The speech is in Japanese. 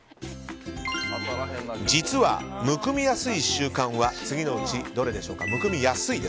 実は、むくみやすい習慣は次のうちどれでしょうか。